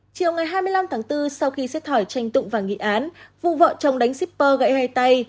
chiều hai mươi năm bốn sau khi xét thỏi tranh tụng và nghị án vụ vợ chồng đánh shipper gãy hai tay